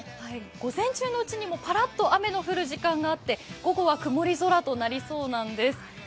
午前中のうち、ぱらっと雨の降る時間があって、午後は曇り空となりそうなんです。